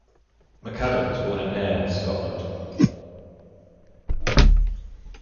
McAdam was born in Ayr, Scotland.